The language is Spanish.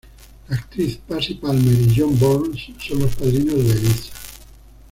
La actriz Patsy Palmer y John Burns son los padrinos de Eliza.